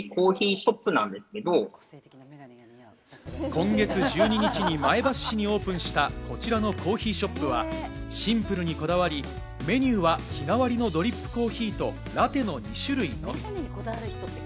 今月１２日に前橋市にオープンしたこちらのコーヒーショップは、シンプルにこだわり、メニューは日替わりのドリップコーヒーと、ラテの２種類のみ。